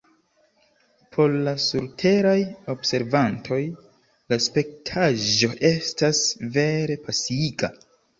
Por la surteraj observantoj la spektaĵo estas vere pasiiga!